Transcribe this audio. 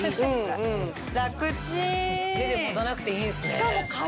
手で持たなくていいんすね。